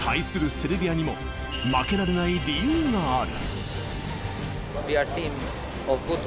セルビアにも負けられない理由がある。